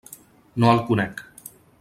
No el conec.